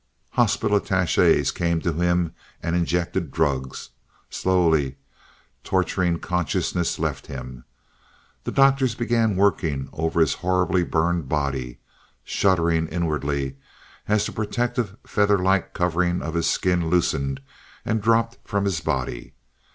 Hospital attachés came to him, and injected drugs. Slowly torturing consciousness left him. The doctors began working over his horribly burned body, shuddering inwardly as the protective, feather like covering of his skin loosened, and dropped from his body.